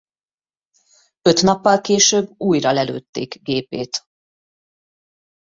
Öt nappal később újra lelőtték gépét.